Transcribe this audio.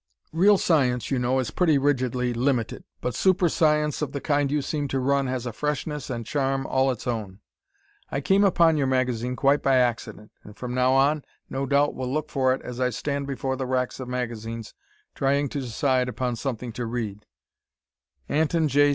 Real science, you know, is pretty rigidly limited, but super science of the kind you seem to run has a freshness and charm all its own. I came upon your magazine quite by accident, and from now on no doubt will look for it as I stand before the racks of magazines, trying to decide upon something to read Anton J.